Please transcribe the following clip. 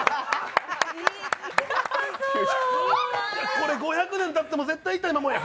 これ、５００年たっても、絶対痛いままや。